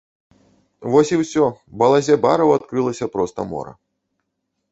Вось і ўсё, балазе бараў адкрылася проста мора.